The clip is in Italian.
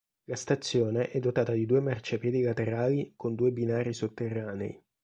La stazione è dotata di due marciapiedi laterali con due binari sotterranei.